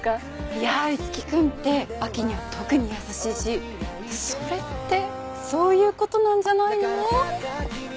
いや五木君って亜季には特に優しいしそれってそういうことなんじゃないの？